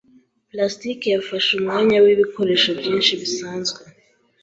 Plastike yafashe umwanya wibikoresho byinshi bisanzwe.